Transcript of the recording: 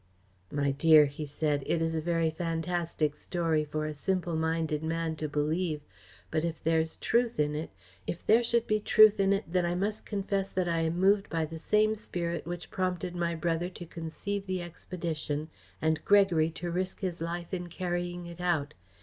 "My dear," he said, "it is a very fantastic story for a simple minded man to believe, but if there's truth in it if there should be truth in it, then I must confess that I am moved by the same spirit which prompted my brother to conceive the expedition and Gregory to risk his life in carrying it out.